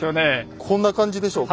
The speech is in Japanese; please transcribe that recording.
こんな感じでしょうか。